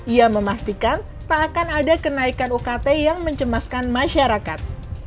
ia memastikan tak akan ada kenaikan ukt yang mencemaskan masyarakat